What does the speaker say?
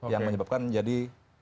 yang menyebabkan jadi